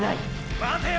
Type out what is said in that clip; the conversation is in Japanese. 待てよ！！